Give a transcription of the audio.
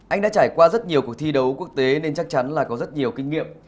anh đã trải qua rất nhiều cuộc thi đấu quốc tế nên chắc chắn là có rất nhiều kinh nghiệm